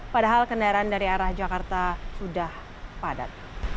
padahal kendaraan dari arah jakarta sudah padat